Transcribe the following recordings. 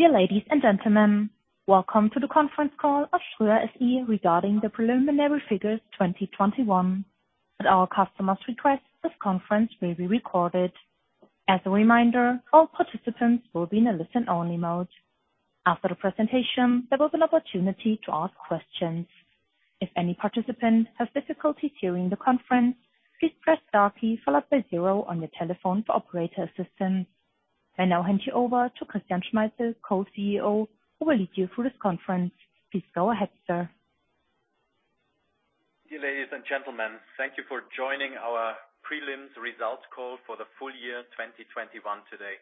Dear ladies and gentlemen, welcome to the conference call of Ströer regarding the preliminary figures 2021. At our customer's request, this conference may be recorded. As a reminder, all participants will be in a listen-only mode. After the presentation, there will be an opportunity to ask questions. If any participant has difficulty hearing the conference, please press star key followed by zero on your telephone for operator assistance. I now hand you over to Christian Schmalzl, Co-CEO, who will lead you through this conference. Please go ahead, sir. Dear ladies and gentlemen, thank you for joining our prelims results call for the full year 2021 today.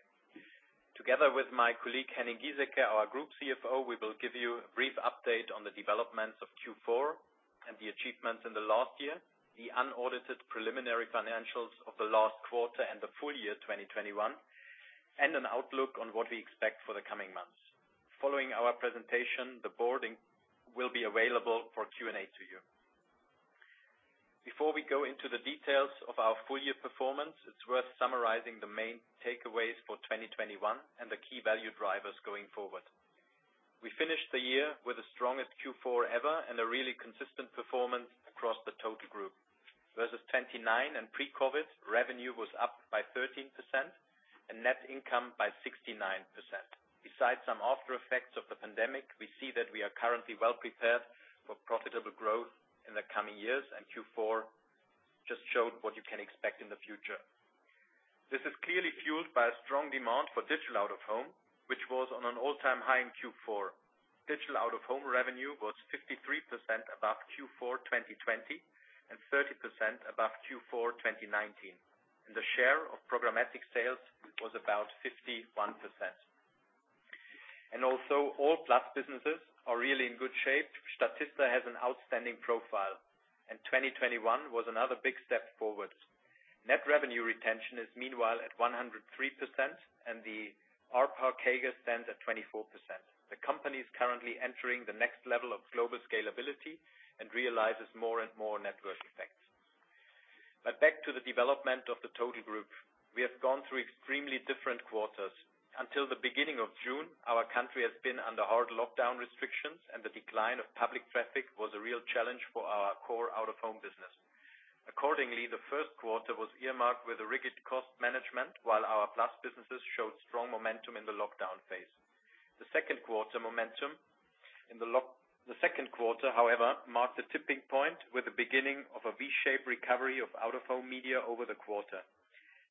Together with my colleague, Henning Gieseke, our Group CFO, we will give you a brief update on the developments of Q4 and the achievements in the last year, the unaudited preliminary financials of the last quarter and the full year 2021, and an outlook on what we expect for the coming months. Following our presentation, the board will be available for Q&A to you. Before we go into the details of our full year performance, it's worth summarizing the main takeaways for 2021 and the key value drivers going forward. We finished the year with the strongest Q4 ever and a really consistent performance across the total group. Versus 2019 and pre-COVID, revenue was up by 13% and net income by 69%. Besides some after effects of the pandemic, we see that we are currently well-prepared for profitable growth in the coming years, and Q4 just showed what you can expect in the future. This is clearly fueled by a strong demand for digital out-of-home, which was on an all-time high in Q4. Digital out-of-home revenue was 53% above Q4 2020 and 30% above Q4 2019. The share of programmatic sales was about 51%. Also all Plus businesses are really in good shape. Statista has an outstanding profile, and 2021 was another big step forward. Net revenue retention is meanwhile at 103%, and the ARPA CAGR stands at 24%. The company is currently entering the next level of global scalability and realizes more and more network effects. Back to the development of the total group. We have gone through extremely different quarters. Until the beginning of June, our country has been under hard lockdown restrictions, and the decline of public traffic was a real challenge for our core out-of-home business. Accordingly, the first quarter was earmarked with a rigid cost management, while our Plus businesses showed strong momentum in the lockdown phase. The second quarter, however, marked a tipping point with the beginning of a V-shaped recovery of out-of-home media over the quarter.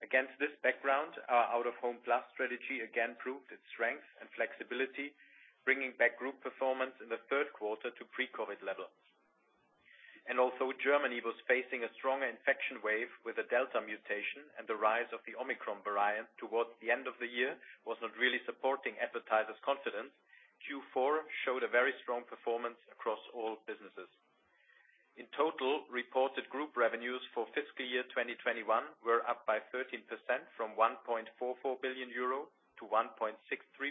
Against this background, our out-of-home Plus strategy again proved its strength and flexibility, bringing back group performance in the third quarter to pre-COVID levels. Also Germany was facing a strong infection wave with a Delta mutation, and the rise of the Omicron variant towards the end of the year was not really supporting advertisers' confidence. Q4 showed a very strong performance across all businesses. In total, reported group revenues for fiscal year 2021 were up by 13% from 1.44 billion euro to 1.63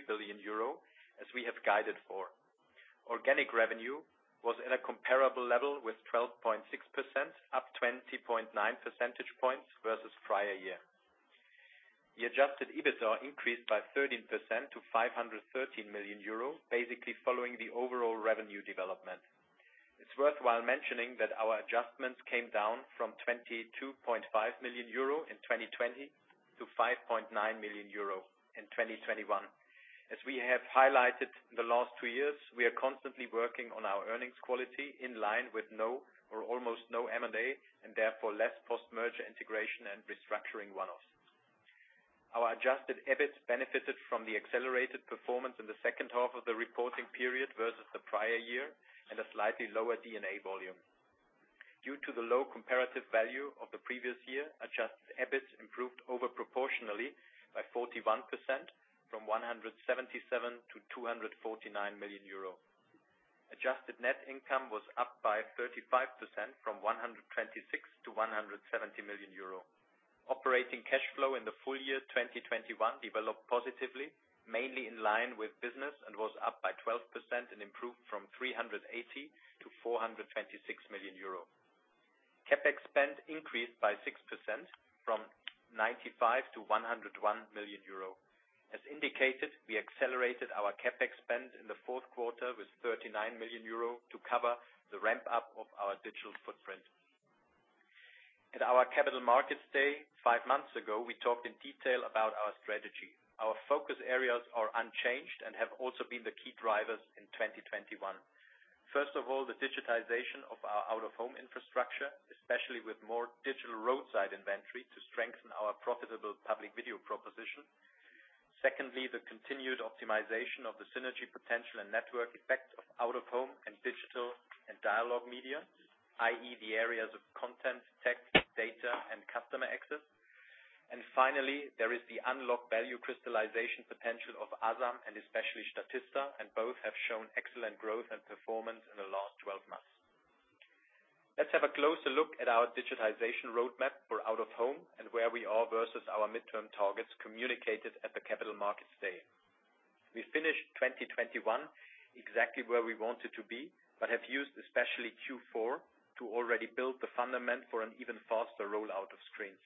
billion euro, as we have guided for. Organic revenue was at a comparable level with 12.6%, up 20.9 percentage points versus prior year. The Adjusted EBITDA increased by 13% to 513 million euros, basically following the overall revenue development. It's worthwhile mentioning that our adjustments came down from 22.5 million euro in 2020 to 5.9 million euro in 2021. We have highlighted in the last two years, we are constantly working on our earnings quality in line with no or almost no M&A, and therefore less post-merger integration and restructuring one-offs. Our Adjusted EBIT benefited from the accelerated performance in the second half of the reporting period versus the prior year and a slightly lower D&A volume. Due to the low comparative value of the previous year, Adjusted EBIT improved over proportionally by 41% from 177 million to 249 million euro. Adjusted net income was up by 35% from 126 million to 170 million euro. Operating cash flow in the full year 2021 developed positively, mainly in line with business, and was up by 12% and improved from 380 million to 426 million euro. CapEx spend increased by 6% from 95 million to 101 million euro. As indicated, we accelerated our CapEx spend in the fourth quarter with 39 million euro to cover the ramp-up of our digital footprint. At our Capital Markets Day 5 months ago, we talked in detail about our strategy. Our focus areas are unchanged and have also been the key drivers in 2021. First of all, the digitization of our out-of-home infrastructure, especially with more digital roadside inventory to strengthen our profitable Public Video proposition. Secondly, the continued optimization of the synergy potential and network effect of out-of-home and Digital and Dialog Media, i.e., the areas of content, tech, data, and customer access. Finally, there is the unlocked value crystallization potential of Asam and especially Statista, and both have shown excellent growth and performance in the last 12 months. Let's have a closer look at our digitization roadmap for out-of-home and where we are versus our mid-term targets communicated at the Capital Markets Day. We finished 2021 exactly where we wanted to be, but have used especially Q4 to already build the fundament for an even faster rollout of screens.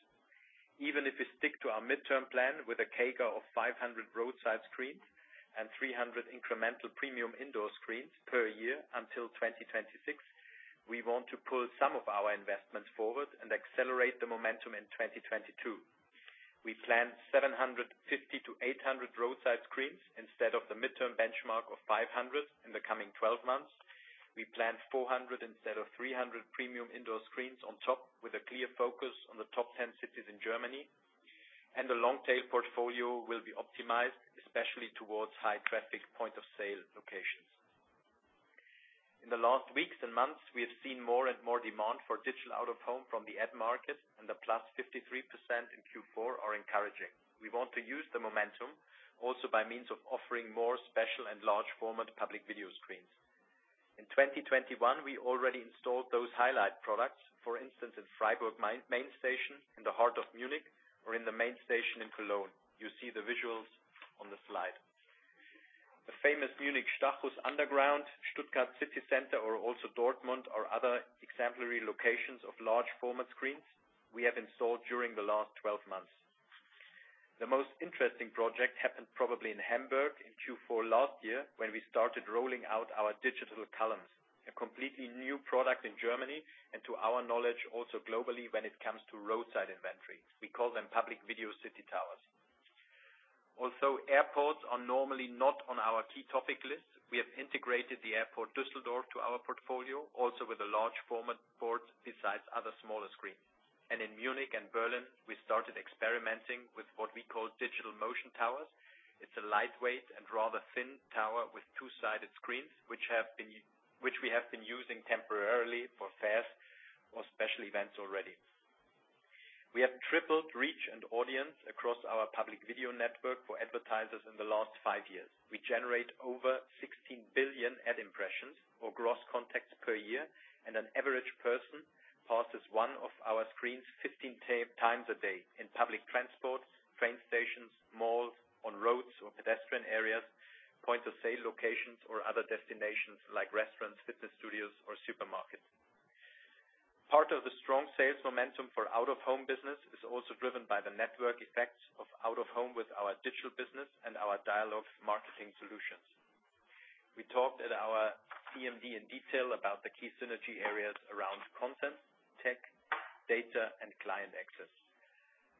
Even if we stick to our midterm plan with a CAGR of 500 roadside screens and 300 incremental premium indoor screens per year until 2026, we want to pull some of our investments forward and accelerate the momentum in 2022. We plan 750 to 800 roadside screens instead of the midterm benchmark of 500 in the coming twelve months. We plan 400 instead of 300 premium indoor screens on top with a clear focus on the top 10 cities in Germany. The long tail portfolio will be optimized, especially towards high-traffic point of sale locations. In the last weeks and months, we have seen more and more demand for digital out-of-home from the ad market, and the +53% in Q4 are encouraging. We want to use the momentum also by means of offering more special and large format public video screens. In 2021, we already installed those highlight products, for instance, in Freiburg main station, in the heart of Munich, or in the main station in Cologne. You see the visuals on the slide. The famous Munich Stachus Underground, Stuttgart City Center, or also Dortmund are other exemplary locations of large format screens we have installed during the last 12 months. The most interesting project happened probably in Hamburg in Q4 last year when we started rolling out our digital columns. A completely new product in Germany and to our knowledge, also globally when it comes to roadside inventory. We call them Public Video City Towers. Airports are normally not on our key topic list. We have integrated the airport Düsseldorf to our portfolio, also with a large format port besides other smaller screens. In Munich and Berlin, we started experimenting with what we call Digital Motion Towers. It's a lightweight and rather thin tower with two-sided screens, which we have been using temporarily for fairs or special events already. We have tripled reach and audience across our Public Video network for advertisers in the last 5 years. We generate over 16 billion ad impressions or gross contacts per year, and an average person passes one of our screens 15 times a day in public transport, train stations, malls, on roads or pedestrian areas, point of sale locations or other destinations like restaurants, fitness studios, or supermarkets. Part of the strong sales momentum for out-of-home business is also driven by the network effects of out-of-home with our digital business and our dialog marketing solutions. We talked at our CMD in detail about the key synergy areas around content, tech, data, and client access.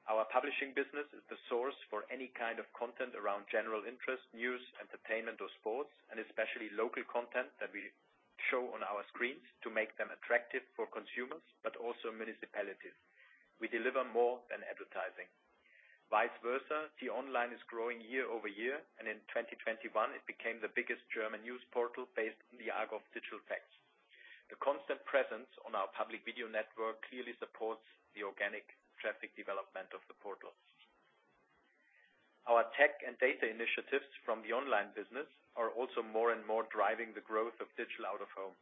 Our publishing business is the source for any kind of content around general interest, news, entertainment, or sports, and especially local content that we show on our screens to make them attractive for consumers, but also municipalities. We deliver more than advertising. Vice versa, t-online is growing year-over-year, and in 2021, it became the biggest German news portal based on the AGOF digital facts. The constant presence on our Public Video network clearly supports the organic traffic development of the portals. Our tech and data initiatives from the online business are also more and more driving the growth of digital out-of-home.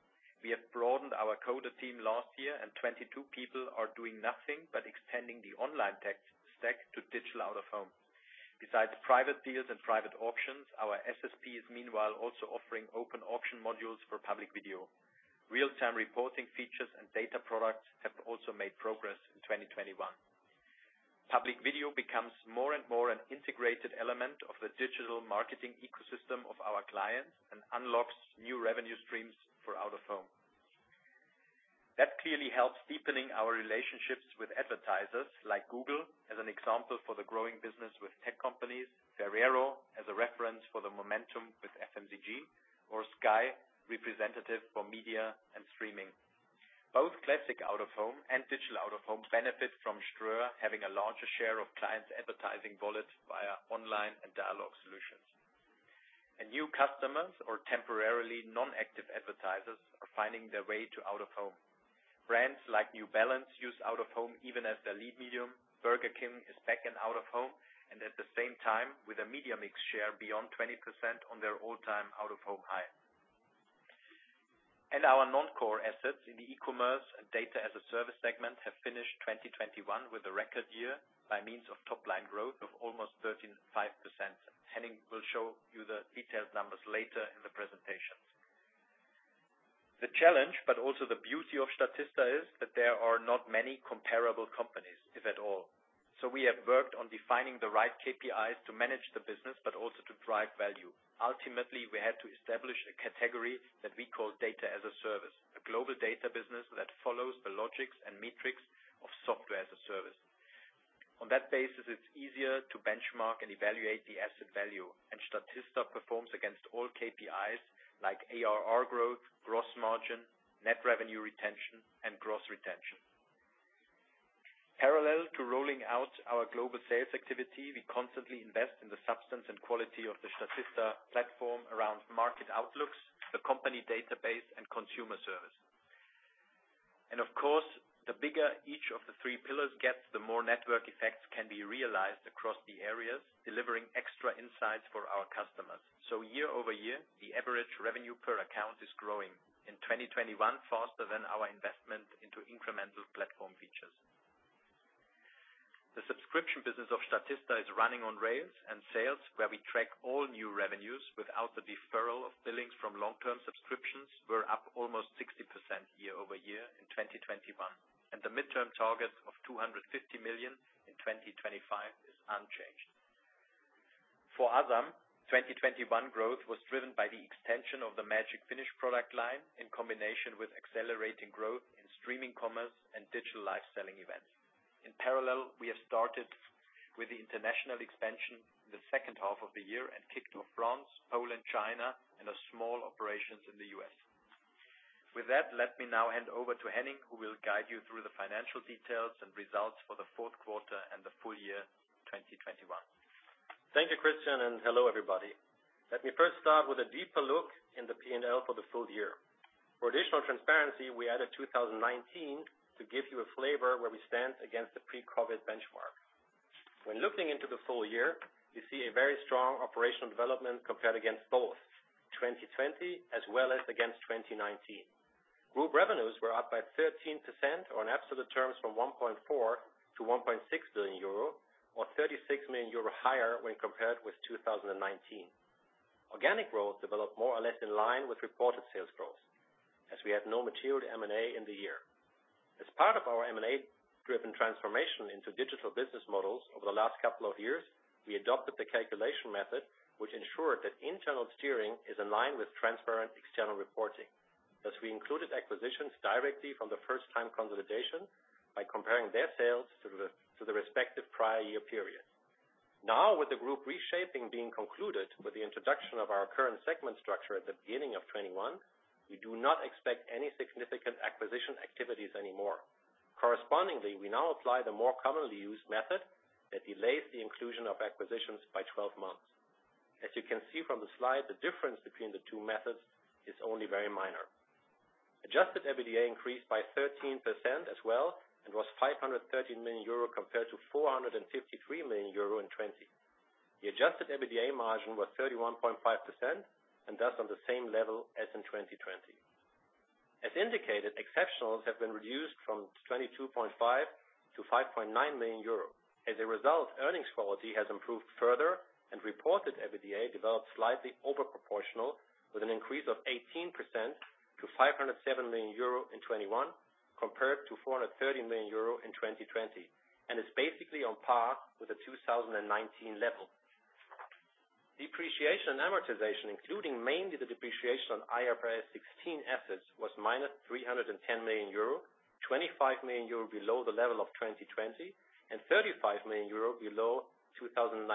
We have broadened our coder team last year, and 22 people are doing nothing but extending the online tech stack to digital out-of-home. Besides private deals and private auctions, our SSP is meanwhile also offering open auction modules for Public Video. Real-time reporting features and data products have also made progress in 2021. Public Video becomes more and more an integrated element of the digital marketing ecosystem of our clients and unlocks new revenue streams for out-of-home. That clearly helps deepening our relationships with advertisers like Google as an example for the growing business with tech companies, Ferrero as a reference for the momentum with FMCG, or Sky representative for media and streaming. Both classic out-of-home and digital out-of-home benefit from Ströer having a larger share of clients' advertising wallets via online and dialog solutions. New customers or temporarily non-active advertisers are finding their way to out-of-home. Brands like New Balance use out-of-home even as their lead medium. Burger King is back in out-of-home, and at the same time, with a media mix share beyond 20% on their all-time out-of-home high. Our non-core assets in the e-commerce and Data as a Service segment have finished 2021 with a record year by means of top-line growth of almost 35%. Henning will show you the detailed numbers later in the presentations. The challenge, but also the beauty of Statista is that there are not many comparable companies, if at all. We have worked on defining the right KPIs to manage the business, but also to drive value. Ultimately, we had to establish a category that we call Data as a Service, a global data business that follows the logics and metrics of Software as a Service. On that basis, it's easier to benchmark and evaluate the asset value, and Statista performs against all KPIs like ARR growth, gross margin, net revenue retention, and gross retention. Parallel to rolling out our global sales activity, we constantly invest in the substance and quality of the Statista platform around market outlooks, the company database, and consumer service. Of course, the bigger each of the three pillars gets, the more network effects can be realized across the areas, delivering extra insights for our customers. Year-over-year, the average revenue per account is growing in 2021, faster than our investment into incremental platform features. The subscription business is running on rails and sales where we track all new revenues without the deferral of billings from long-term subscriptions were up almost 60% year-over-year in 2021, and the mid-term target of 250 million in 2025 is unchanged. For Asam, 2021 growth was driven by the extension of the MAGIC FINISH product line in combination with accelerating growth in streaming commerce and digital live selling events. In parallel, we have started with the international expansion in the second half of the year and kicked off France, Poland, China, and a small operation in the U.S. With that, let me now hand over to Henning, who will guide you through the financial details and results for the fourth quarter and the full year 2021. Thank you, Christian, and hello everybody. Let me first start with a deeper look in the P&L for the full year. For additional transparency, we added 2019 to give you a flavor where we stand against the pre-COVID benchmark. When looking into the full year, you see a very strong operational development compared against both 2020 as well as against 2019. Group revenues were up by 13% or in absolute terms from 1.4 billion to 1.6 billion euro, or 36 million euro higher when compared with 2019. Organic growth developed more or less in line with reported sales growth, as we had no material M&A in the year. As part of our M&A-driven transformation into digital business models over the last couple of years, we adopted the calculation method, which ensured that internal steering is in line with transparent external reporting, as we included acquisitions directly from the first time consolidation by comparing their sales to the respective prior year period. With the group reshaping being concluded with the introduction of our current segment structure at the beginning of 2021, we do not expect any significant acquisition activities anymore. Correspondingly, we now apply the more commonly used method that delays the inclusion of acquisitions by 12 months. As you can see from the slide, the difference between the two methods is only very minor. Adjusted EBITDA increased by 13% as well, and was 530 million euro compared to 453 million euro in 2020. The Adjusted EBITDA margin was 31.5% and thus on the same level as in 2020. As indicated, exceptionals have been reduced from 22.5 million to 5.9 million euros. As a result, earnings quality has improved further and reported EBITDA developed slightly disproportionately with an increase of 18% to 507 million euro in 2021, compared to 430 million euro in 2020, and is basically on par with the 2019 level. Depreciation and amortization, including mainly the depreciation on IFRS 16 assets, was minus 310 million euro, 25 million euro below the level of 2020 and 35 million euro below 2019.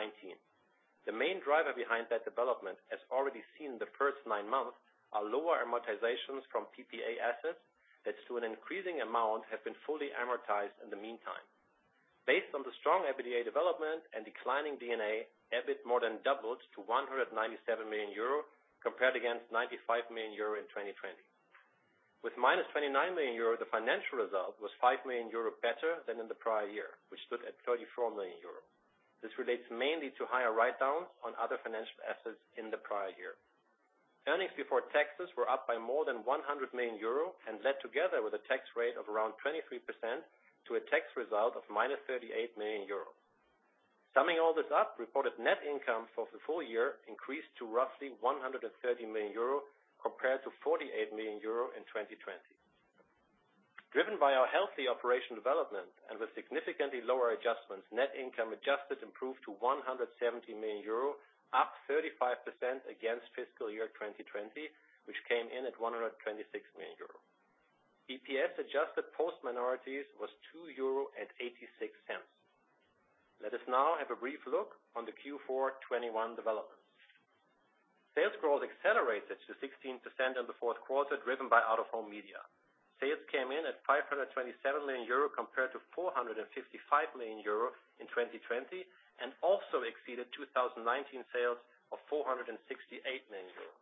The main driver behind that development, as already seen in the first nine months, are lower amortizations from PPA assets that to an increasing amount, have been fully amortized in the meantime. Based on the strong EBITDA development and declining D&A, EBIT more than doubled to 197 million euro, compared against 95 million euro in 2020. With -29 million euro, the financial result was 5 million euro better than in the prior year, which stood at 34 million euro. This relates mainly to higher write-downs on other financial assets in the prior year. Earnings before taxes were up by more than 100 million euros and led together with a tax rate of around 23% to a net result of -38 million euros. Summing all this up, reported net income for the full year increased to roughly 130 million euro compared to 48 million euro in 2020. Driven by our healthy operation development and with significantly lower adjustments, net income adjusted improved to 170 million euro, up 35% against fiscal year 2020, which came in at 126 million euro. EPS adjusted post minorities was 2.86 euro. Let us now have a brief look at the Q4 2021 developments. Sales growth accelerated to 16% in the fourth quarter, driven by Out-of-Home Media. Sales came in at 527 million euro compared to 455 million euro in 2020, and also exceeded 2019 sales of 468 million euro.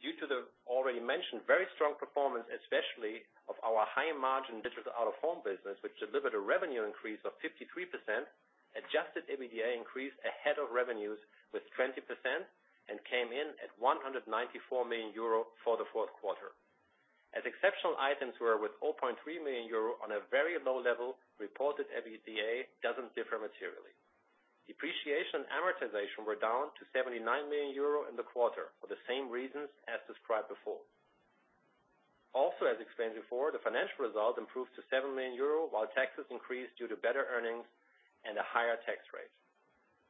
Due to the already mentioned very strong performance, especially of our high margin digital out-of-home business, which delivered a revenue increase of 53%, adjusted EBITDA increased ahead of revenues with 20% and came in at 194 million euro for the fourth quarter. As exceptional items were with 0.3 million euro on a very low level, reported EBITDA doesn't differ materially. Depreciation and amortization were down to 79 million euro in the quarter for the same reasons as described before. Also, as explained before, the financial result improved to 7 million euro while taxes increased due to better earnings and a higher tax rate.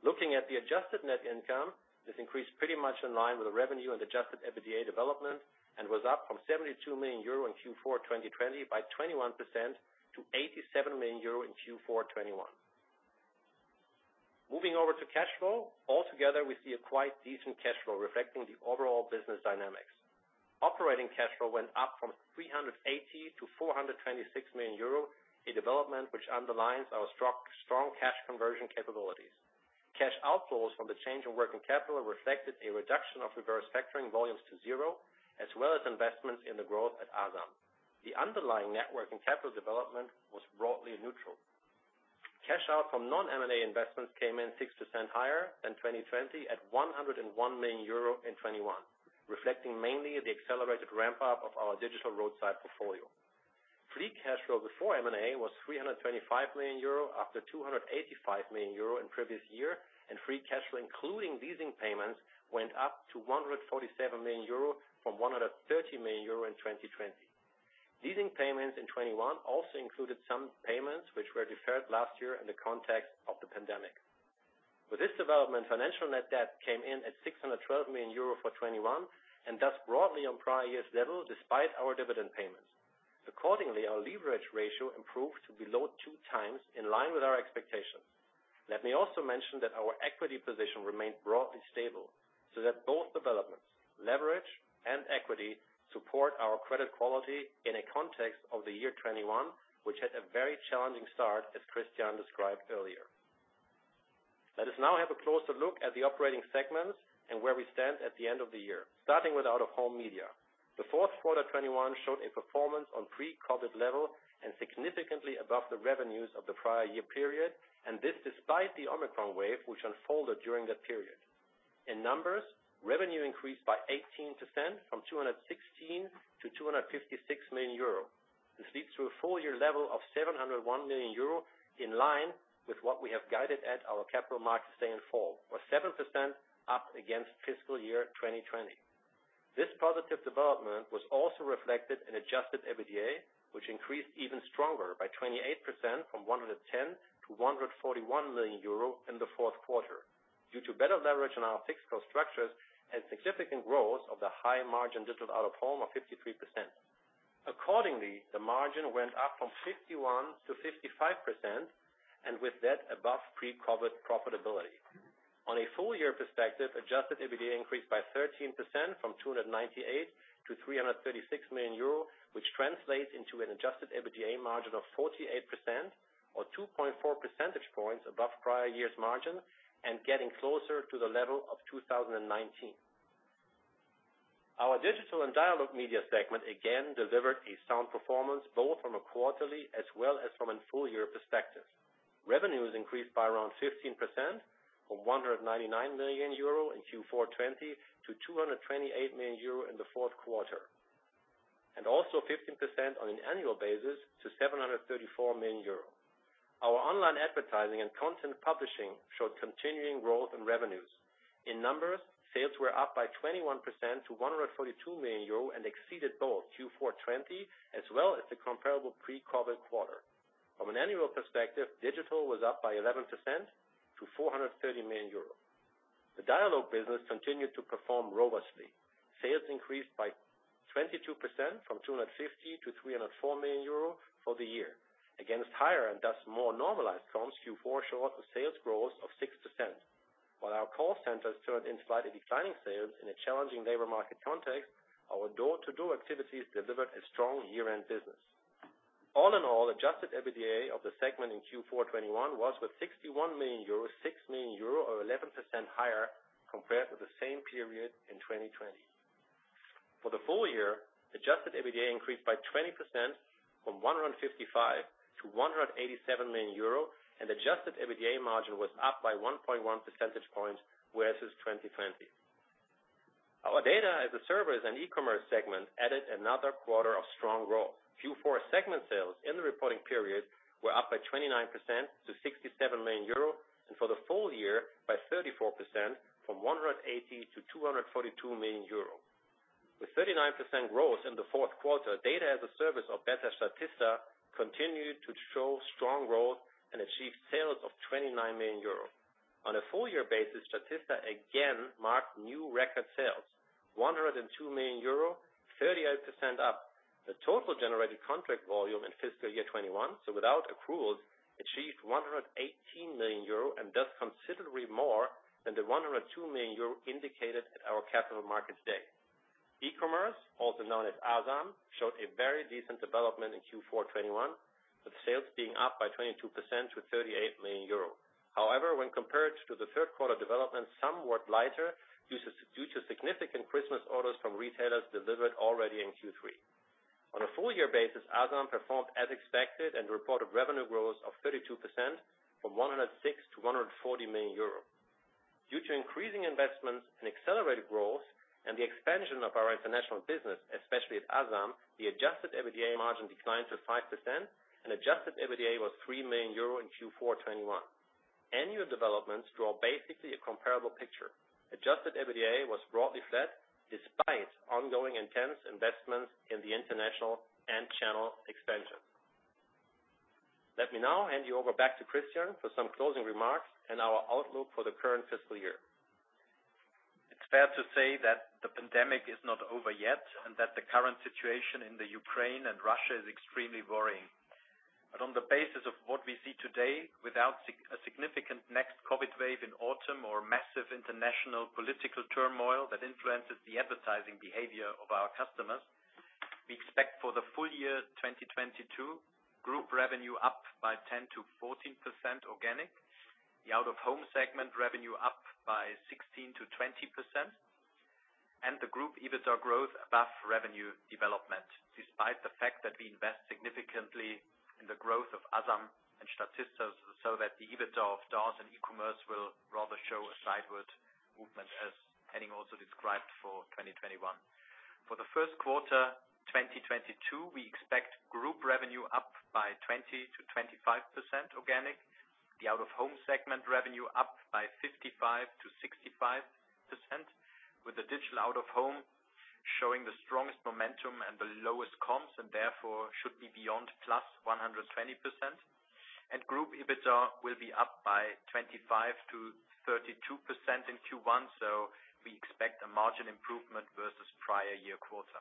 Looking at the adjusted net income, this increased pretty much in line with the revenue and Adjusted EBITDA development and was up from EUR 72 million in Q4 2020 by 21% to EUR 87 million in Q4 2021. Moving over to cash flow. Altogether, we see a quite decent cash flow reflecting the overall business dynamics. Operating cash flow went up from 380 million to 426 million euro, a development which underlines our strong cash conversion capabilities. Cash outflows from the change in working capital reflected a reduction of reverse factoring volumes to zero, as well as investments in the growth at Asam. The underlying network and capital development was broadly neutral. Cash outflows from non-M&A investments came in 6% higher than 2020 at 101 million euro in 2021, reflecting mainly the accelerated ramp-up of our digital roadside portfolio. Free cash flow before M&A was EUR 325 million after EUR 285 million in previous year, and free cash flow, including leasing payments, went up to EUR 147 million from EUR 130 million in 2020. Leasing payments in 2021 also included some payments which were deferred last year in the context of the pandemic. With this development, financial net debt came in at 612 million euro for 2021, and thus broadly on prior years level, despite our dividend payments. Accordingly, our leverage ratio improved to below 2x in line with our expectations. Let me also mention that our equity position remained broadly stable, so that both developments, leverage and equity, support our credit quality in a context of the year 2021, which had a very challenging start, as Christian described earlier. Let us now have a closer look at the operating segments and where we stand at the end of the year, starting with Out-of-Home Media. The fourth quarter 2021 showed a performance on pre-COVID level and significantly above the revenues of the prior year period, and this despite the Omicron wave which unfolded during that period. In numbers, revenue increased by 18% from 216 million to 256 million euro. This leads to a full year level of 701 million euro, in line with what we have guided at our Capital Markets Day in fall, or 7% up against fiscal year 2020. This positive development was also reflected in Adjusted EBITDA, which increased even stronger by 28% from 110 million to 141 million euro in the fourth quarter due to better leverage on our fixed cost structures and significant growth of the high margin digital out-of-home of 53%. Accordingly, the margin went up from 51%-55%, and with that above pre-COVID profitability. On a full-year perspective, Adjusted EBITDA increased by 13% from 298 million to 336 million euro, which translates into an Adjusted EBITDA margin of 48% or 2.4 percentage points above prior year's margin and getting closer to the level of 2019. Our Digital & Dialog Media segment again delivered a sound performance both from a quarterly as well as from a full-year perspective. Revenues increased by around 15% from 199 million euro in Q4 2020 to 228 million euro in the fourth quarter. Also 15% on an annual basis to 734 million euro. Our online advertising and content publishing showed continuing growth in revenues. In numbers, sales were up by 21% to 142 million euro and exceeded both Q4 2020 as well as the comparable pre-COVID quarter. From an annual perspective, digital was up by 11% to 430 million euros. The Dialogue business continued to perform robustly. Sales increased by 22% from 250 million to 304 million euro for the year. Against higher and thus more normalized comps, Q4 showed the sales growth of 6%. While our call centers turned in slightly declining sales in a challenging labor market context, our door-to-door activities delivered a strong year-end business. All in all, Adjusted EBITDA of the segment in Q4 2021 was with 61 million euros, 6 million euro or 11% higher compared to the same period in 2020. For the full year, Adjusted EBITDA increased by 20% from 155 million to 187 million euro, and Adjusted EBITDA margin was up by 1.1 percentage points versus 2020. Our Data as a Service and E-commerce segment added another quarter of strong growth. Q4 segment sales in the reporting period were up by 29% to 67 million euro, and for the full year by 34% from 180 million to 242 million euro. With 39% growth in the fourth quarter, Data as a Service powered by Statista continued to show strong growth and achieve sales of 29 million euros. On a full year basis, Statista again marked new record sales, 102 million euro, 38% up. The total generated contract volume in fiscal year 2021, so without accruals, achieved 118 million euro, and thus considerably more than the 102 million euro indicated at our capital markets day. E-commerce, also known as Asam, showed a very decent development in Q4 2021, with sales being up by 22% to 38 million euros. However, when compared to the third quarter development, somewhat lighter due to significant Christmas orders from retailers delivered already in Q3. On a full year basis, Asam performed as expected and reported revenue growth of 32% from 106 to 140 million euros. Due to increasing investments in accelerated growth and the expansion of our international business, especially with Asam, the Adjusted EBITDA margin declined to 5% and Adjusted EBITDA was 3 million euro in Q4 2021. Annual developments draw basically a comparable picture. Adjusted EBITDA was broadly flat despite ongoing intense investments in the international and channel expansion. Let me now hand you over back to Christian for some closing remarks and our outlook for the current fiscal year. It's fair to say that the pandemic is not over yet, and that the current situation in Ukraine and Russia is extremely worrying. On the basis of what we see today, without a significant next COVID wave in autumn or massive international political turmoil that influences the advertising behavior of our customers, we expect for the full year 2022, group revenue up by 10%-14% organic. The out-of-home segment revenue up by 16%-20%. The group EBITDA growth above revenue development, despite the fact that we invest significantly in the growth of Asam and Statista so that the EBITDA of DaaS and e-commerce will rather show a sideward movement, as Henning also described for 2021. For the first quarter, 2022, we expect group revenue up by 20%-25% organic. The Out-of-Home segment revenue up by 55%-65%, with the digital out-of-home showing the strongest momentum and the lowest comps and therefore should be beyond +120%. Group EBITDA will be up by 25%-32% in Q1, so we expect a margin improvement versus prior year quarter.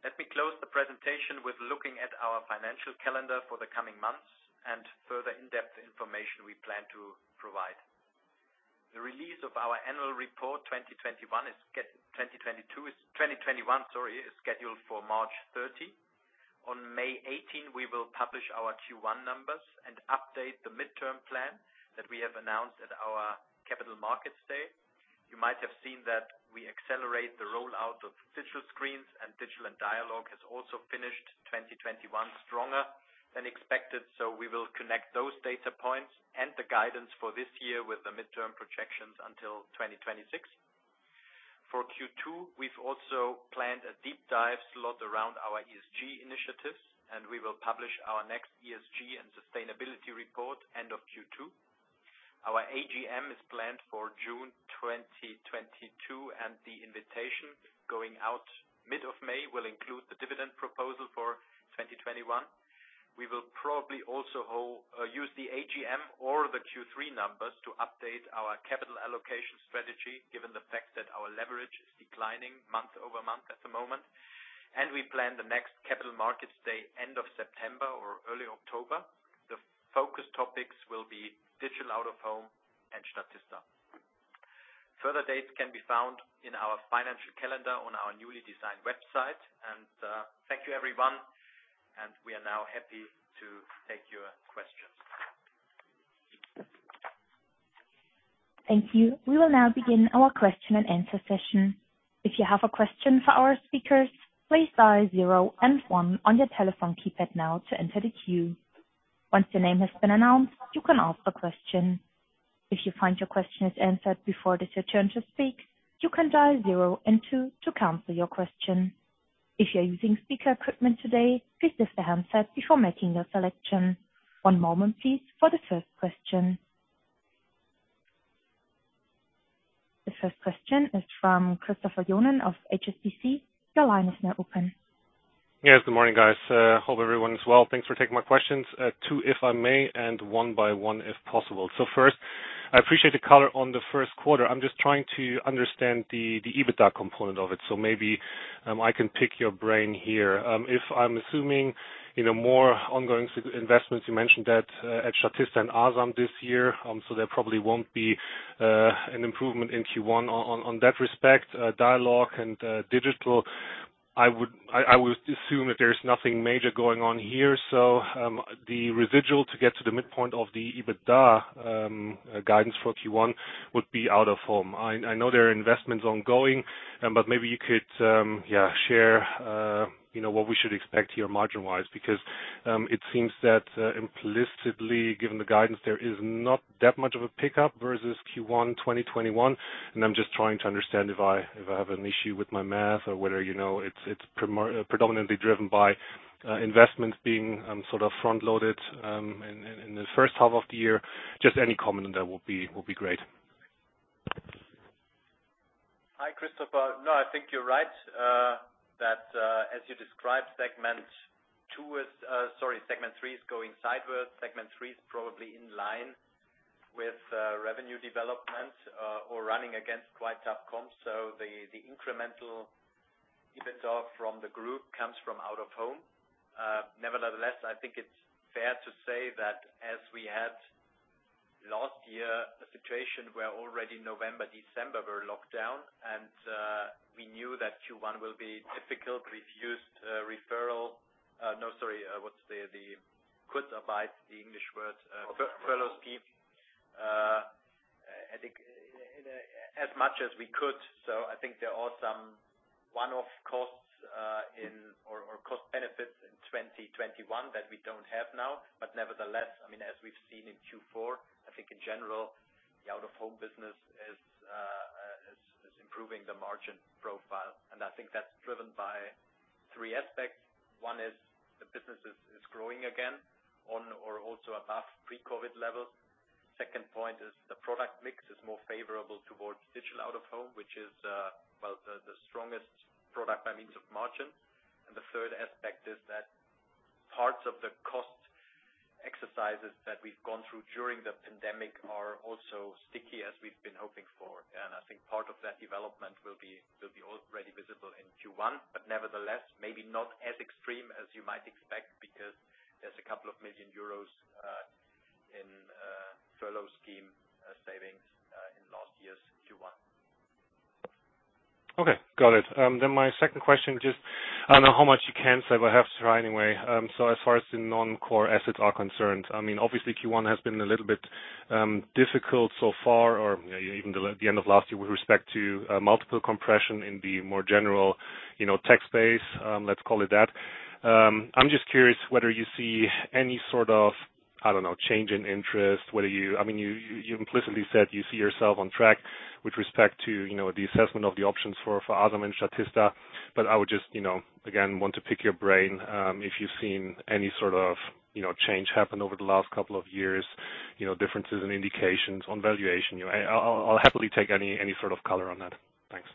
Let me close the presentation with looking at our financial calendar for the coming months and further in-depth information we plan to provide. The release of our annual report 2021 is scheduled for March 30. On May 18, we will publish our Q1 numbers and update the midterm plan that we have announced at our Capital Markets Day. You might have seen that we accelerate the rollout of digital screens and Digital & Dialog has also finished 2021 stronger than expected, so we will connect those data points and the guidance for this year with the midterm projections until 2026. For Q2, we've also planned a deep dive slot around our ESG initiatives, and we will publish our next ESG and sustainability report end of Q2. Our AGM is planned for June 2022, and the invitation going out mid of May will include the dividend proposal for 2021. We will probably also use the AGM or the Q3 numbers to update our capital allocation strategy, given the fact that our leverage is declining month-over-month at the moment. We plan the next Capital Markets Day end of September or early October. The focus topics will be digital out-of-home and Statista. Further dates can be found in our financial calendar on our newly designed website. Thank you, everyone, and we are now happy to take your questions. Thank you. We will now begin our question-and-answer session. If you have a question for our speakers, please dial zero and one on your telephone keypad now to enter the queue. Once your name has been announced, you can ask a question. If you find your question is answered before it is your turn to speak, you can dial zero and two to cancel your question. If you're using speaker equipment today, please lift the handset before making your selection. One moment, please, for the first question. The first question is from Christopher Jonen of HSBC. Your line is now open. Yes. Good morning, guys. Hope everyone is well. Thanks for taking my questions. Two, if I may, and one by one, if possible. First, I appreciate the color on the first quarter. I'm just trying to understand the EBITDA component of it, so maybe I can pick your brain here. If I'm assuming, you know, more ongoing investments, you mentioned that at Statista and Asam this year, so there probably won't be an improvement in Q1 on that respect. Dialog and Digital, I would assume that there's nothing major going on here. The residual to get to the midpoint of the EBITDA guidance for Q1 would be Out-of-Home. I know there are investments ongoing, but maybe you could, yeah, share, you know, what we should expect here margin-wise. Because it seems that, implicitly, given the guidance, there is not that much of a pickup versus Q1 2021, and I'm just trying to understand if I have an issue with my math or whether, you know, it's predominantly driven by investments being sort of front-loaded in the first half of the year. Just any comment on that will be great. Hi, Christopher. No, I think you're right that as you described, segment three is going sideways. Segment three is probably in line with revenue development or running against quite tough comps. The incremental EBITDA from the group comes from Out-of-Home. Nevertheless, I think it's fair to say that as we had last year, a situation where already November, December were locked down and we knew that Q1 will be difficult. We've used the furlough scheme in as much as we could. I think there are some one-off costs or cost benefits in 2021 that we don't have now. Nevertheless, I mean, as we've seen in Q4, I think in general, the Out-of-Home business is improving the margin profile. I think that's driven by three aspects. One is the business is growing again on or also above pre-COVID levels. Second point is the product mix is more favorable towards digital out-of-home, which is the strongest product by means of margin. The third aspect is that parts of the cost exercises that we've gone through during the pandemic are also sticky as we've been hoping for. I think part of that development will be already visible in Q1, but nevertheless, maybe not as extreme as you might expect because there's 2 million euros in furlough scheme savings in last year's Q1. Okay. Got it. My second question, just I don't know how much you can say, but I have to try anyway. So as far as the non-core assets are concerned, I mean, obviously Q1 has been a little bit difficult so far or even the end of last year with respect to multiple compression in the more general, you know, tech space, let's call it that. I'm just curious whether you see any sort of, I don't know, change in interest, whether you I mean, you implicitly said you see yourself on track with respect to, you know, the assessment of the options for ADVA and Statista. I would just, you know, again, want to pick your brain, if you've seen any sort of, you know, change happen over the last couple of years, you know, differences in indications on valuation. You know, I'll happily take any sort of color on that. Thanks.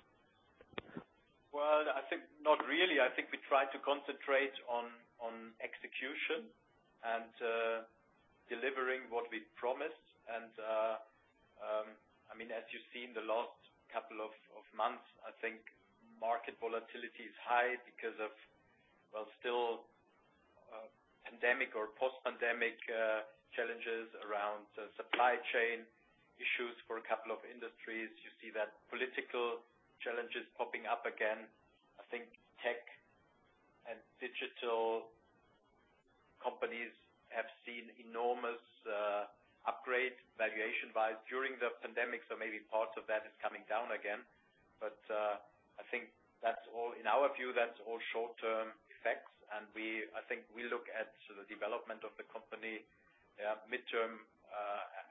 Well, I think not really. I think we try to concentrate on execution and delivering what we promised. I mean, as you've seen the last couple of months, I think market volatility is high because of, well, still, pandemic or post-pandemic challenges around supply chain issues for a couple of industries. You see that political challenges popping up again. I think tech and digital companies have seen enormous upgrade valuation-wise during the pandemic, so maybe parts of that is coming down again. I think that's all. In our view, that's all short-term effects. I think we look at the development of the company midterm,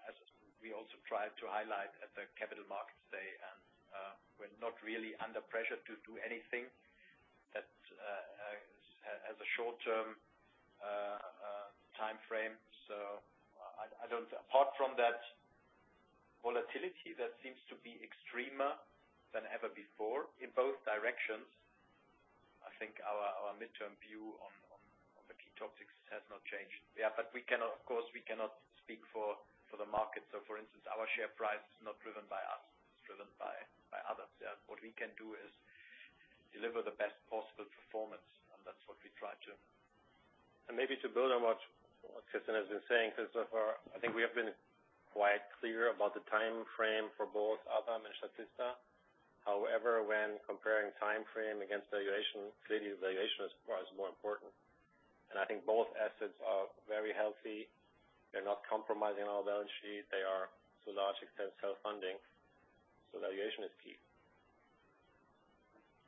as we also tried to highlight at the capital markets day. We're not really under pressure to do anything that has a short-term timeframe. Apart from that volatility, that seems to be more extreme than ever before in both directions. I think our medium-term view on the key topics has not changed. Yeah, but of course we cannot speak for the market. For instance, our share price is not driven by us, it's driven by others. Yeah. What we can do is deliver the best possible performance, and that's what we try to. Maybe to build on what Christian has been saying, 'cause so far I think we have been quite clear about the timeframe for both ADVA and Statista. However, when comparing timeframe against valuation, clearly valuation is far more important. I think both assets are very healthy. They're not compromising our balance sheet. They are to a large extent self-funding, so valuation is key.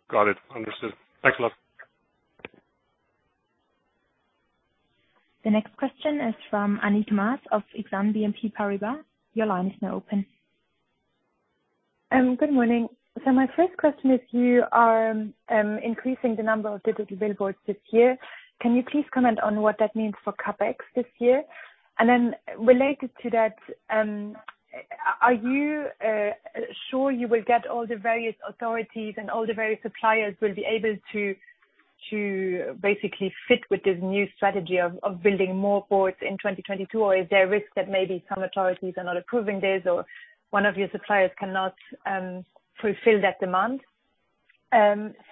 Got it. Understood. Thanks a lot. The next question is from Annick Maas of Exane BNP Paribas. Your line is now open. Good morning. My first question is, you are increasing the number of digital billboards this year. Can you please comment on what that means for CapEx this year? Then related to that, are you sure you will get all the various authorities and all the various suppliers will be able to to basically fit with this new strategy of building more boards in 2022? Or is there a risk that maybe some authorities are not approving this or one of your suppliers cannot fulfill that demand?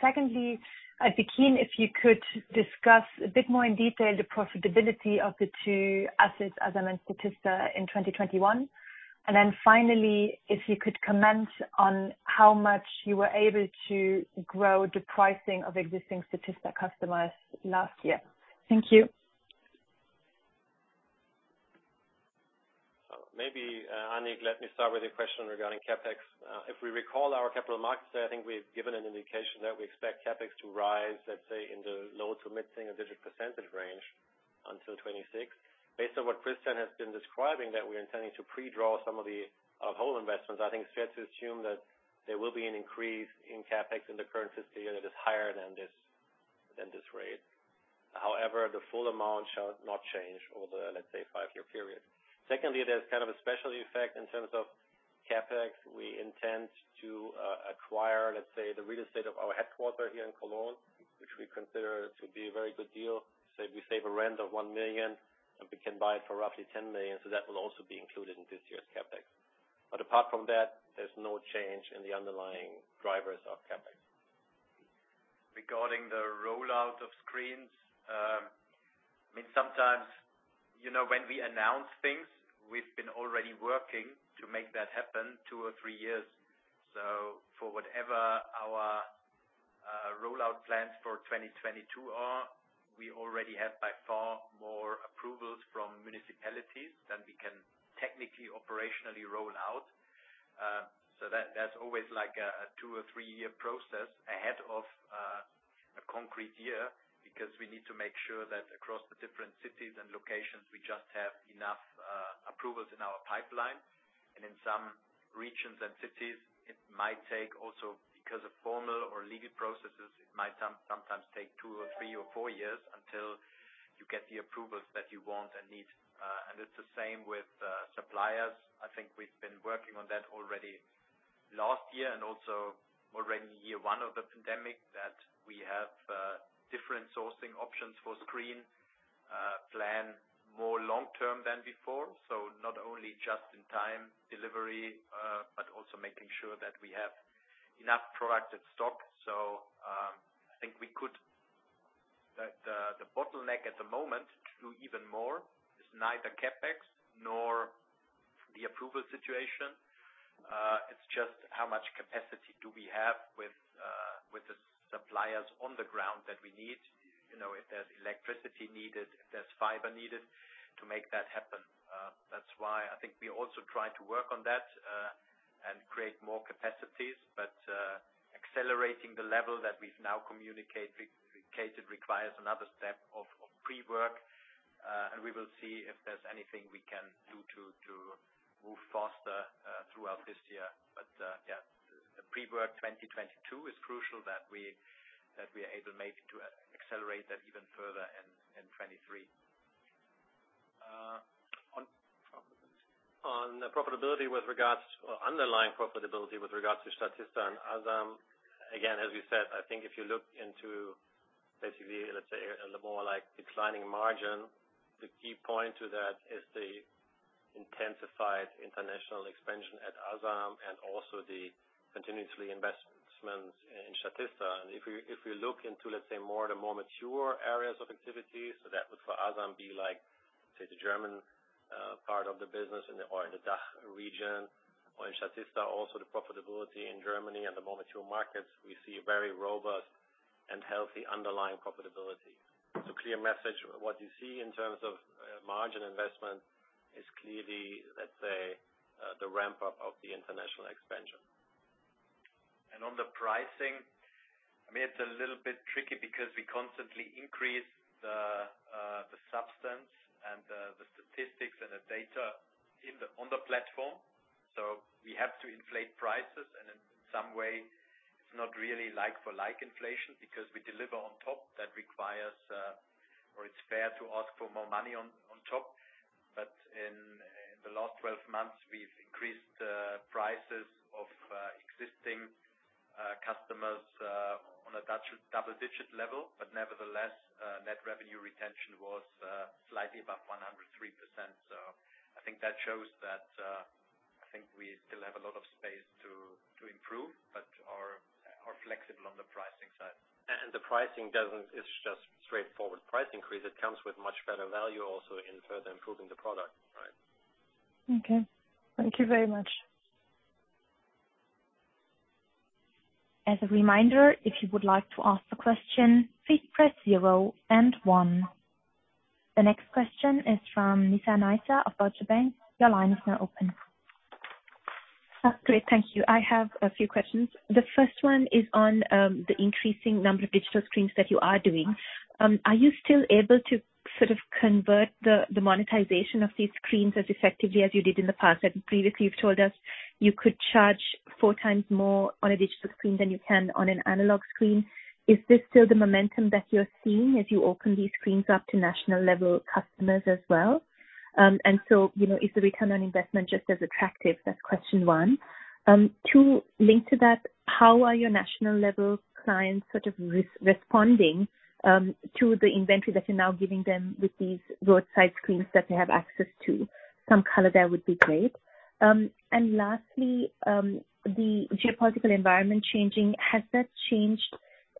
Secondly, I'd be keen if you could discuss a bit more in detail the profitability of the two assets, Asam and Statista, in 2021. Then finally, if you could comment on how much you were able to grow the pricing of existing Statista customers last year. Thank you. Maybe, Annick, let me start with a question regarding CapEx. If we recall our capital markets day, I think we've given an indication that we expect CapEx to rise, let's say, in the low- to mid-single-digit % range until 2026. Based on what Christian has been describing, that we're intending to pre-draw some of the OOH investments, I think it's fair to assume that there will be an increase in CapEx in the current fiscal year that is higher than this rate. However, the full amount shall not change over the, let's say, five-year period. Secondly, there's kind of a special effect in terms of CapEx. We intend to acquire, let's say, the real estate of our headquarters here in Cologne, which we consider to be a very good deal. Say, we save a rent of 1 million, and we can buy it for roughly 10 million, so that will also be included in this year's CapEx. Apart from that, there's no change in the underlying drivers of CapEx. Regarding the rollout of screens, I mean, sometimes, you know, when we announce things, we've been already working to make that happen 2 or 3 years. For whatever our rollout plans for 2022 are, we already have by far more approvals from municipalities than we can technically, operationally roll out. That's always like a 2- or 3-year process ahead of a concrete year because we need to make sure that across the different cities and locations, we just have enough approvals in our pipeline. In some regions and cities, it might take also because of formal or legal processes, it might sometimes take 2, 3, or 4 years until you get the approvals that you want and need. It's the same with suppliers. I think we've been working on that already last year and also already in year one of the pandemic, that we have different sourcing options for screens, plan more long-term than before. Not only just in time delivery, but also making sure that we have enough product in stock. The bottleneck at the moment to do even more is neither CapEx nor the approval situation. It's just how much capacity do we have with the suppliers on the ground that we need. You know, if there's electricity needed, if there's fiber needed to make that happen. That's why I think we also try to work on that and create more capacities. Accelerating the level that we've now communicated requires another step of pre-work, and we will see if there's anything we can do to move faster throughout this year. Yeah, the pre-work 2022 is crucial that we are able to accelerate that even further in 2023. On profitability. On profitability or underlying profitability with regards to Statista and Asam. Again, as we said, I think if you look into basically, let's say, a little more like declining margin, the key point to that is the intensified international expansion at Asam and also the continuous investments in Statista. If you look into, let's say, more the more mature areas of activity, so that would for Asam be like, say, the German part of the business in the DACH region. Or in Statista, also the profitability in Germany and the more mature markets, we see very robust and healthy underlying profitability. It's a clear message. What you see in terms of margin investment is clearly, let's say, the ramp-up of the international expansion. On the pricing, I mean, it's a little bit tricky because we constantly increase the substance and the statistics and the data on the platform. We have to inflate prices, and in some way it's not really like for like inflation because we deliver on top. That requires or it's fair to ask for more money on top. In the last twelve months, we've increased prices of existing customers on a touch of double-digit level. Nevertheless, net revenue retention was slightly above 103%. I think that shows that I think we still have a lot of space to improve, but are flexible on the pricing side. The pricing is just straightforward price increase. It comes with much better value also in further improving the product, right? Okay. Thank you very much. As a reminder, if you would like to ask a question, please press zero and one. The next question is from Nizla Naizer of Deutsche Bank. Your line is now open. Great. Thank you. I have a few questions. The first one is on the increasing number of digital screens that you are doing. Are you still able to sort of convert the monetization of these screens as effectively as you did in the past? As previously you've told us, you could charge four times more on a digital screen than you can on an analog screen. Is this still the momentum that you're seeing as you open these screens up to national-level customers as well? You know, is the return on investment just as attractive? That's question one. Two, linked to that, how are your national-level clients sort of responding to the inventory that you're now giving them with these roadside screens that they have access to? Some color there would be great. Lastly, the geopolitical environment changing, has that changed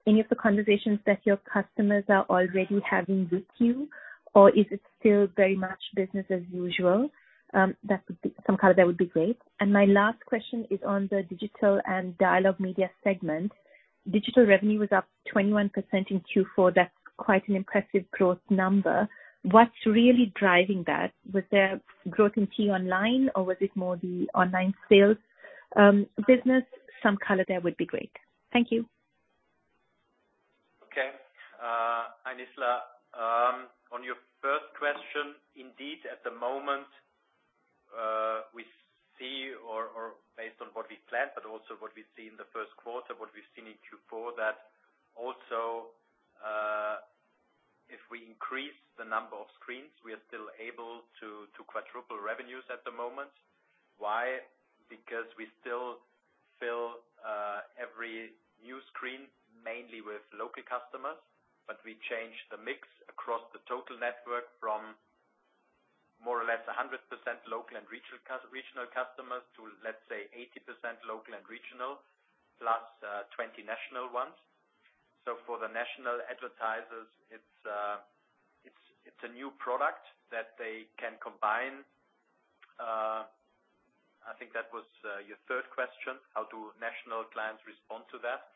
any of the conversations that your customers are already having with you, or is it still very much business as usual? Some color there would be great. My last question is on the Digital and Dialog Media segment. Digital revenue was up 21% in Q4. That's quite an impressive growth number. What's really driving that? Was there growth in t-online or was it more the online sales business? Some color there would be great. Thank you. Okay. Nisa, on your first question, indeed at the moment, we see based on what we planned, but also what we see in the first quarter, what we've seen in Q4, that also, if we increase the number of screens, we are still able to quadruple revenues at the moment. Why? Because we still fill every new screen mainly with local customers, but we change the mix across the total network from more or less 100% local and regional customers to, let's say, 80% local and regional,+20 national ones. For the national advertisers, it's a new product that they can combine. I think that was your third question, how do national clients respond to that?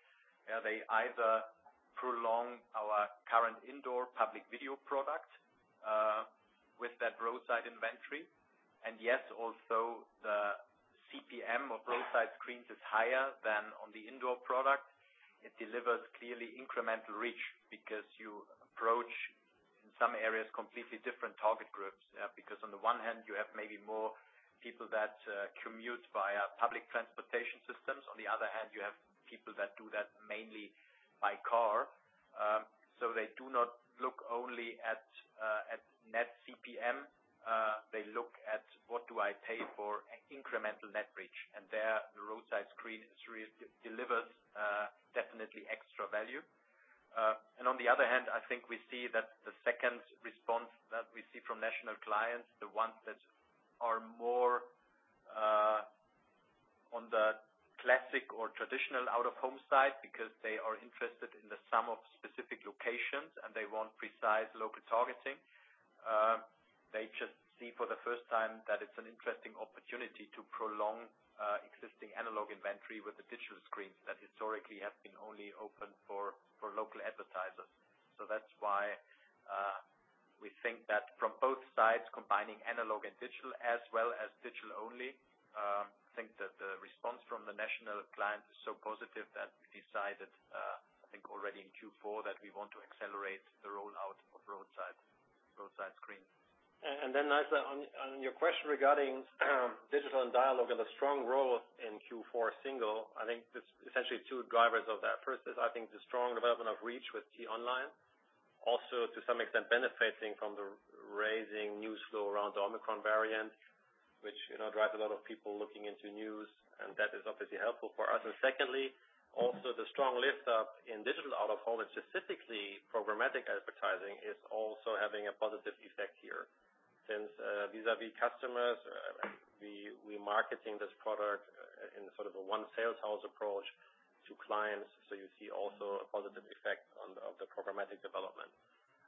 They either prolong our current indoor Public Video product with that roadside inventory. Yes, also the CPM of roadside screens is higher than on the indoor product. It delivers clearly incremental reach because you approach, in some areas, completely different target groups. Because on the one hand you have maybe more people that commute via public transportation systems. On the other hand, you have people that do that mainly by car. They do not look only at net CPM. They look at what do I pay for incremental net reach, and there the roadside screen delivers definitely extra value. On the other hand, I think we see that the second response that we see from national clients, the ones that are more on the classic or traditional out-of-home side because they are interested in some specific locations and they want precise local targeting, they just see for the first time that interesting opportunity to prolong existing analog inventory with the digital screens that historically have been only open for local advertisers. That's why we think that from both sides, combining analog and digital as well as digital only, the response from the national clients is so positive that we decided, I think already in Q4, that we want to accelerate the rollout of roadside screens. Nisa, on your question regarding Digital and Dialog and the strong growth in Q4 single, I think there's essentially two drivers of that. First, I think the strong development of reach with t-online.de, also to some extent benefiting from the rising news flow around the Omicron variant, which you know drives a lot of people looking into news, and that is obviously helpful for us. Secondly, the strong lift up in digital out-of-home, and specifically programmatic advertising, is also having a positive effect here. Since vis-à-vis customers, we marketing this product in sort of a one sales house approach to clients. You see also a positive effect of the programmatic development.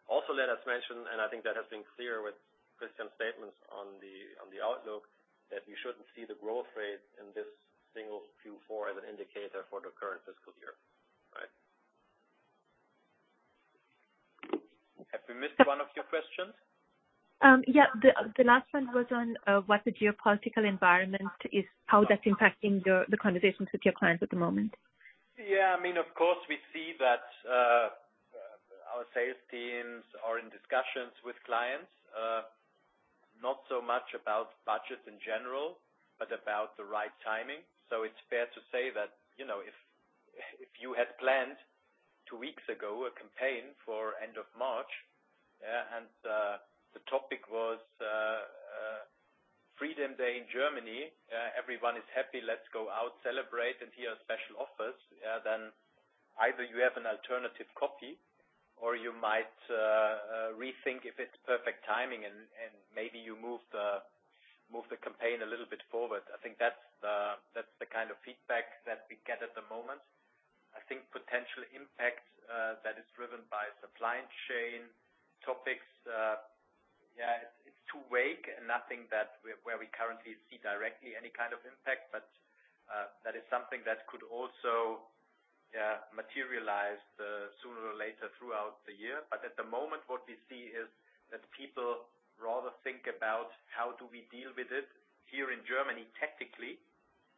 Also let us mention, and I think that has been clear with Christian's statements on the outlook, that we shouldn't see the growth rate in this single Q4 as an indicator for the current fiscal year. Right? Have we missed one of your questions? Yeah. The last one was on what the geopolitical environment is, how that's impacting the conversations with your clients at the moment. Yeah, I mean, of course, we see that our sales teams are in discussions with clients, not so much about budget in general, but about the right timing. It's fair to say that, you know, if you had planned two weeks ago a campaign for end of March, and the topic was Freedom Day in Germany, everyone is happy, let's go out, celebrate, and here are special offers, then either you have an alternative copy or you might rethink if it's perfect timing and maybe you move the campaign a little bit forward. I think that's the kind of feedback that we get at the moment. I think potential impact that is driven by supply chain topics is too vague and nothing that we currently see directly any kind of impact. That is something that could also materialize sooner or later throughout the year. At the moment, what we see is that people rather think about how do we deal with it here in Germany tactically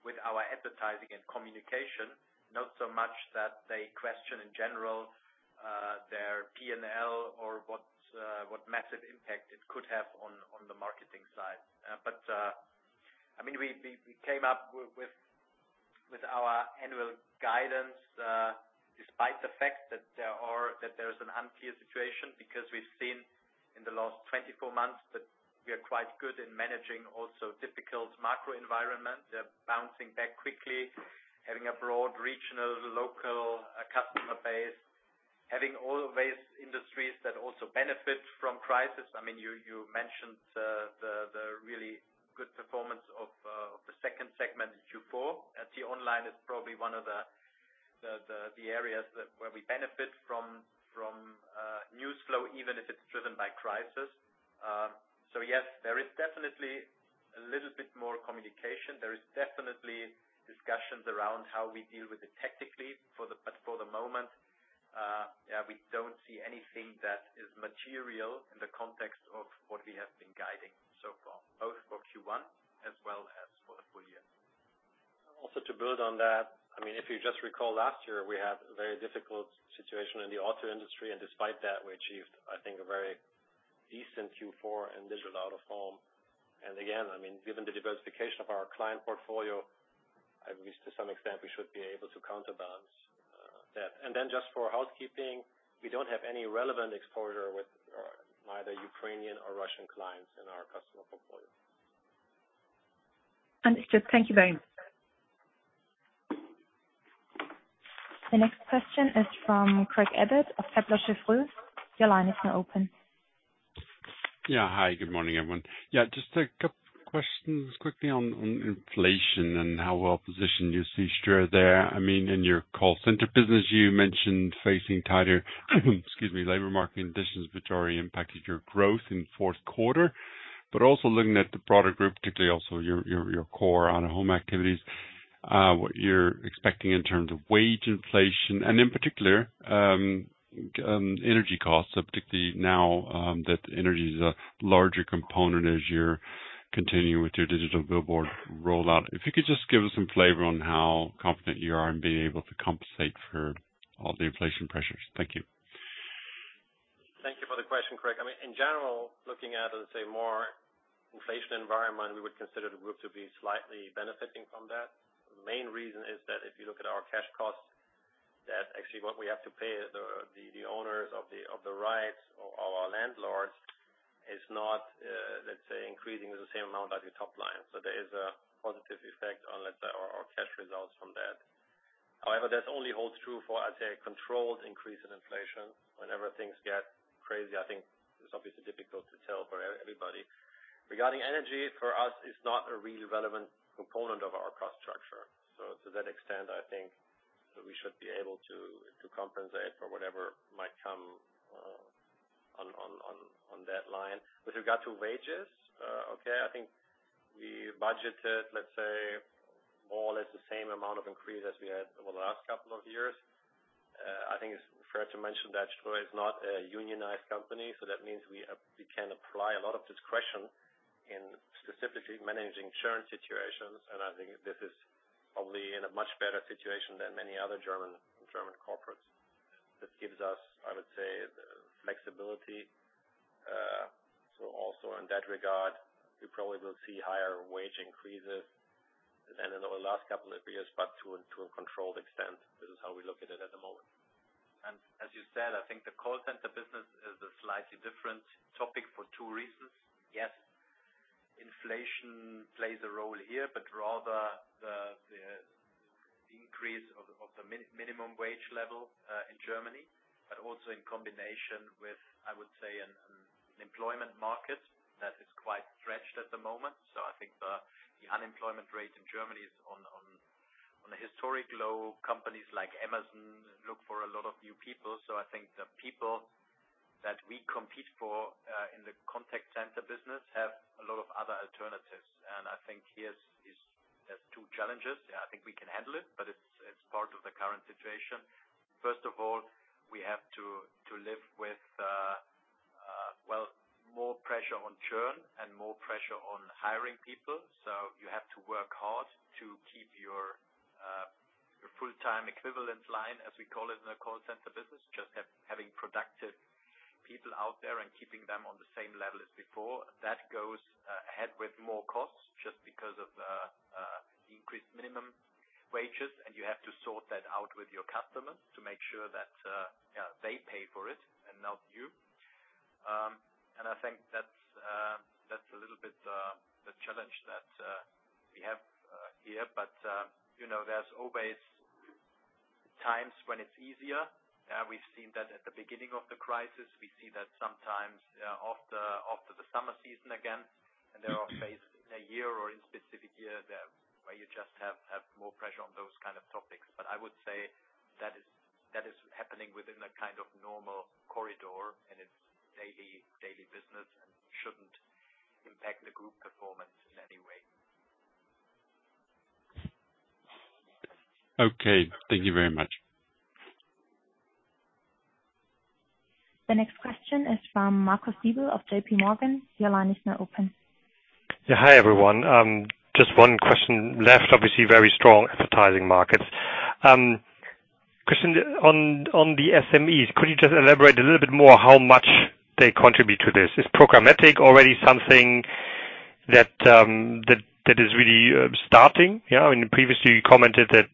with our advertising and communication, not so much that they question in general their P&L or what massive impact it could have on the marketing side. I mean, we came up with our annual guidance despite the fact that there is an unclear situation, because we've seen in the last 24 months that we are quite good in managing also difficult macro environment, bouncing back quickly, having a broad regional, local customer base, having always industries that also benefit from crisis. I mean, you mentioned the really good performance of the second segment in Q4. t-online.de is probably one of the areas where we benefit from news flow, even if it's driven by crisis. Yes, there is definitely a little bit more communication. There is definitely discussions around how we deal with it tactically, but for the moment, yeah, we don't see anything that is material in the context of what we have been guiding so far, both for Q1 as well as for the full year. Also, to build on that, I mean, if you just recall last year, we had a very difficult situation in the auto industry, and despite that, we achieved, I think, a very decent Q4 in digital out-of-home. Again, I mean, given the diversification of our client portfolio, at least to some extent, we should be able to counterbalance that. Then just for housekeeping, we don't have any relevant exposure with either Ukrainian or Russian clients in our customer portfolio. Understood. Thank you very much. The next question is from Craig Abbott of Kepler Cheuvreux. Your line is now open. Hi, good morning, everyone. Just a couple questions quickly on inflation and how well positioned you see Ströer there. I mean, in your call center business, you mentioned facing tighter, excuse me, labor market conditions which already impacted your growth in fourth quarter. Also looking at the product group, particularly also your core out-of-home activities, what you're expecting in terms of wage inflation and in particular energy costs, particularly now that energy is a larger component as you're continuing with your digital billboard rollout. If you could just give us some flavor on how confident you are in being able to compensate for all the inflation pressures. Thank you. Thank you for the question, Craig. I mean, in general, looking at, let's say, more inflation environment, we would consider the group to be slightly benefiting from that. The main reason is that if you look at our cash costs, that's actually what we have to pay the owners of the rights or our landlords is not, let's say, increasing the same amount as your top line. So there is a positive effect on, let's say, our cash results from that. However, that only holds true for, I'd say, a controlled increase in inflation. Whenever things get crazy, I think it's obviously difficult to tell for everybody. Regarding energy, for us, it's not a really relevant component of our cost structure. So to that extent, I think we should be able to compensate for whatever might come. On that line. With regard to wages, I think we budgeted, let's say, more or less the same amount of increase as we had over the last couple of years. I think it's fair to mention that Ströer is not a unionized company, so that means we can apply a lot of discretion in specifically managing churn situations. I think this is probably in a much better situation than many other German corporates. This gives us, I would say, the flexibility. So also in that regard, we probably will see higher wage increases than in the last couple of years, but to a controlled extent. This is how we look at it at the moment. As you said, I think the call center business is a slightly different topic for two reasons. Yes, inflation plays a role here, but rather the increase of the minimum wage level in Germany, but also in combination with, I would say, an employment market that is quite stretched at the moment. I think the unemployment rate in Germany is on a historic low. Companies like Amazon look for a lot of new people. I think the people that we compete for in the contact center business have a lot of other alternatives. I think there's two challenges. Yeah, I think we can handle it, but it's part of the current situation. First of all, we have to live with more pressure on churn and more pressure on hiring people. You have to work hard to keep your full-time equivalent line, as we call it in the call center business, just having productive people out there and keeping them on the same level as before. That goes ahead with more costs just because of the increased minimum wages, and you have to sort that out with your customers to make sure that yeah, they pay for it and not you. I think that's a little bit the challenge that we have here. But you know, there's always times when it's easier. We've seen that at the beginning of the crisis. We see that sometimes after the summer season again. There are phases in a year or in specific year that where you just have more pressure on those kind of topics. I would say that is happening within a kind of normal corridor, and it's daily business and shouldn't impact the group performance in any way. Okay. Thank you very much. The next question is from Marcus Diebel of JPMorgan. Your line is now open. Yeah. Hi, everyone. Just one question left, obviously very strong advertising markets. Christian, on the SMEs, could you just elaborate a little bit more how much they contribute to this? Is programmatic already something that is really starting? You know, in previously you commented that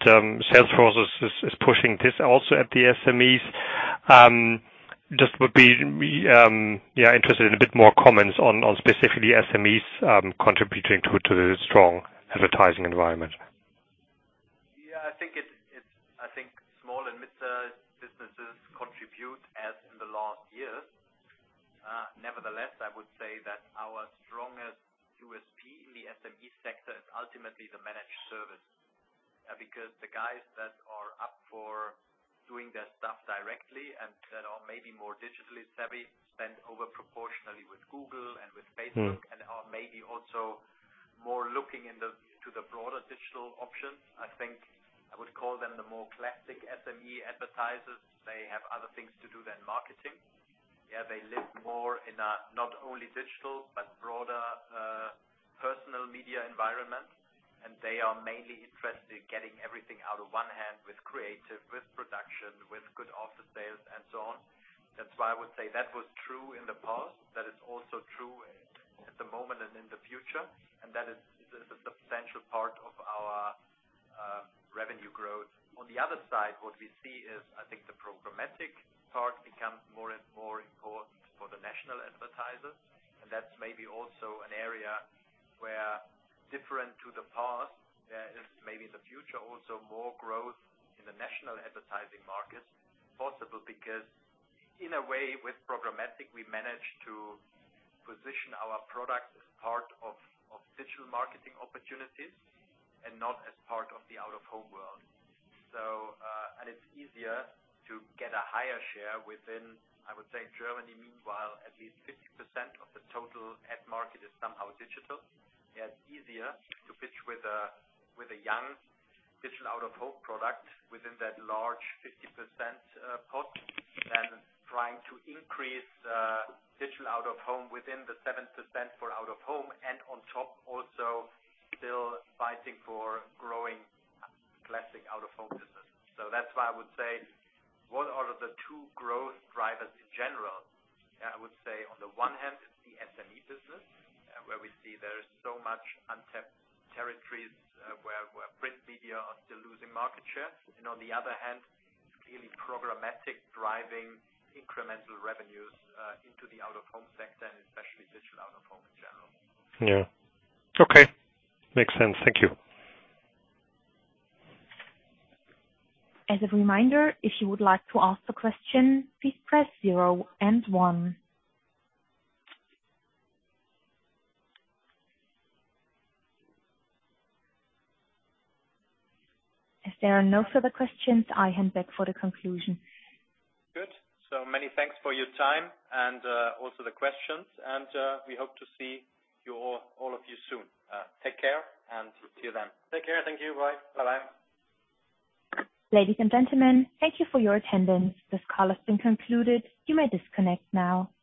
Salesforce is pushing this also at the SMEs. Just would be interested in a bit more comments on specifically SMEs contributing to the strong advertising environment. Yeah, I think small and midsize businesses contribute as in the last years. Nevertheless, I would say that our strongest USP in the SME sector is ultimately the managed service. Because the guys that are up for doing their stuff directly and that are maybe more digitally savvy spend over proportionally with Google and with Facebook. They are maybe also more looking to the broader digital options. I think I would call them the more classic SME advertisers. They have other things to do than marketing. Yeah, they live more in a, not only digital, but broader, personal media environment. They are mainly interested getting everything out of one hand with creative, with production, with good after sales and so on. That's why I would say that was true in the past. That is also true at the moment and in the future, and that is, this is a substantial part of our revenue growth. On the other side, what we see is, I think the programmatic part becomes more and more important for the national advertisers. That's maybe also an area where different to the past, is maybe in the future also more growth in the national advertising market possible. Because in a way with programmatic, we manage to position our product as part of of digital marketing opportunities and not as part of the out-of-home world. It's easier to get a higher share within, I would say, Germany meanwhile, at least 50% of the total ad market is somehow digital. Yeah, it's easier to pitch with a young digital out-of-home product within that large 50% pot than trying to increase digital out-of-home within the 7% for out-of-home and on top also still fighting for growing classic out-of-home business. That's why I would say what are the two growth drivers in general? I would say on the one hand, the SME business, where we see there is so much untapped territories, where print media are still losing market share. On the other hand, it's clearly programmatic driving incremental revenues into the out-of-home sector and especially digital out-of-home in general. Yeah. Okay. Makes sense. Thank you. As a reminder, if you would like to ask a question, please press zero and one. If there are no further questions, I hand back for the conclusion. Good. Many thanks for your time and also the questions. We hope to see you all of you soon. Take care and see you then. Take care. Thank you. Bye. Bye-bye. Ladies and gentlemen, thank you for your attendance. This call has been concluded. You may disconnect now.